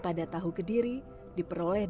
pada tahu kediri diperoleh